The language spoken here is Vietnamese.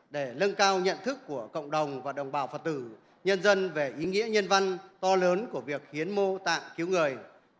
để lâng cao nhận thức của cộng đồng và đồng bào phật tử nhân dân về ý nghĩa nhân văn to lớn của việc hiến mô tạng cứu người